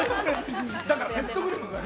だから説得力がね。